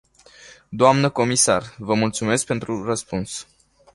Doamnă comisar, vă mulțumesc pentru răspuns.